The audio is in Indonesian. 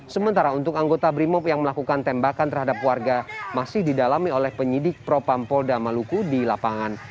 sementara untuk anggota brimob yang melakukan tembakan terhadap warga masih didalami oleh penyidik propam polda maluku di lapangan